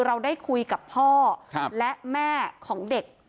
เราได้คุยกับพ่อและแม่ของเด็ก